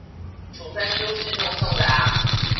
處分書視同送達